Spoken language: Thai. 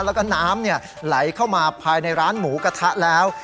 แล้วก็น้ำไหลเข้ามาภายในร้านหมูกระทะแล้ว